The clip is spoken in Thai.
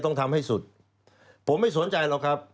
ต้องทำให้สุดผมไม่สนใจหรอกครับ